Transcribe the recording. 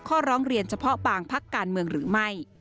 ข้อร้องเรียนเฉพาะบางพักการเมืองหรือไม่